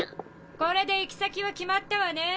これで行き先は決まったわね。